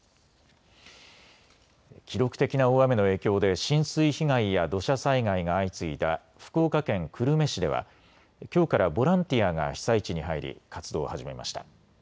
記録的な大雨の影響で浸水被害や土砂災害が相次いだ福岡県久留米市ではきょうからボランティアが被災地に入り活動を始めました。